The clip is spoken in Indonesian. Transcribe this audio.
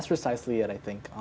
itu benar benar yang saya pikirkan